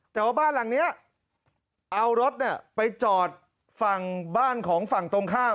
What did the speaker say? แต่ว่าบ้านหลังนี้เอารถไปจอดฝั่งบ้านของฝั่งตรงข้าม